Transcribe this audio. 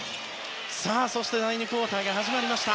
そして、第２クオーターが始まりました。